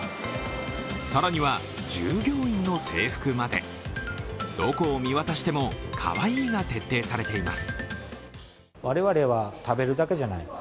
更には従業員の制服までどこを見渡しても「かわいい」が徹底されています。